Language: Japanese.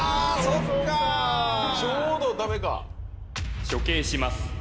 そっかちょうどダメか処刑します